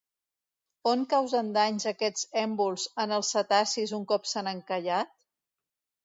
On causen danys aquests èmbols en els cetacis un cop s'han encallat?